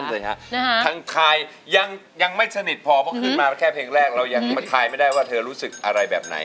ทางคายยังไม่สนิทพอเพราะขึ้นมาแค่เพลงแรกเรายังมาทายไม่ได้ว่าเธอรู้สึกอะไรแบบไหน